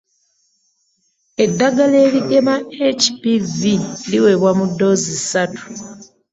Eddagala erigema HPV liweebwa mu ddoozi ssatu.